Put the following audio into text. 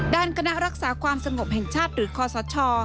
ด้านคณะรักษาความสงบแห่งชาติหรือคอสช